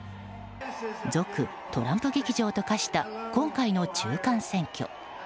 続・トランプ劇場と化した今回の中間選挙。